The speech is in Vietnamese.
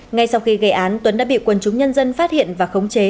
ngay sau khi gây án tuấn đã bị quần chúng nhân dân phát hiện và khống chế